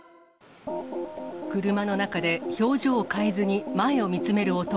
車の中で表情を変えずに前を見つめる男。